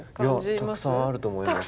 たくさんあると思います。